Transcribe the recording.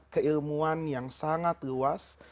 keilmuan yang sangat luas